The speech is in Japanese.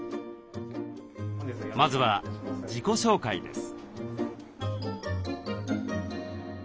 まずは自己紹介です。